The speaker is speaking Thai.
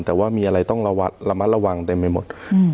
แต่ว่ามีอะไรต้องระมัดระวังเต็มไปหมด